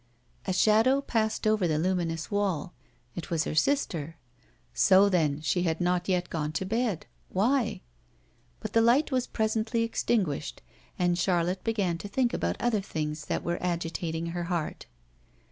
A shadow passed over the luminous wall. It was her sister. So then, she had not yet gone to bed. Why? But the light was presently extinguished; and Charlotte began to think about other things that were agitating her heart.